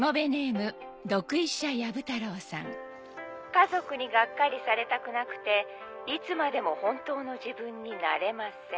「家族にがっかりされたくなくていつまでも本当の自分になれません」